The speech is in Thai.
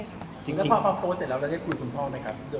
แล้วพ่อโพสต์เสร็จแล้วแล้วได้คุยกับคุณพ่อไหมครับ